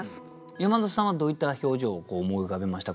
山田さんはどういった表情を思い浮かべました？